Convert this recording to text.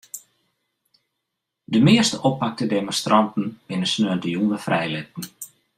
De measte oppakte demonstranten binne sneontejûn wer frijlitten.